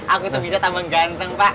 aku tuh bisa tambang ganteng pak